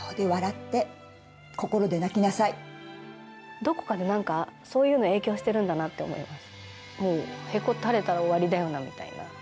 どこかで何か、そういうの影響してるのかなって思います。